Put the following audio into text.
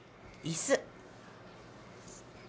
いす。